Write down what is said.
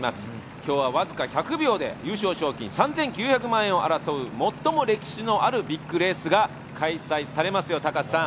今日は僅か１００秒で優勝賞金３９００万円を争う最も歴史のあるビッグレースが開催されますよ、タカさん。